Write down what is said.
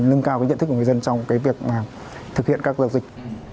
nâng cao cái nhận thức của người dân trong cái việc thực hiện các giao dịch